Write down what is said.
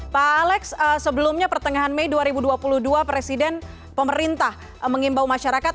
pak alex sebelumnya pertengahan mei dua ribu dua puluh dua presiden pemerintah mengimbau masyarakat